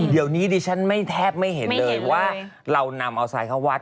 เดี๋ยวนี้ดิฉันไม่แทบไม่เห็นเลยว่าเรานำเอาทรายเข้าวัด